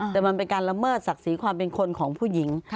แต่มันเป็นการละเมิดศักดิ์ศรีความเป็นคนของผู้หญิง